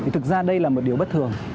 thực ra đây là một điều bất thường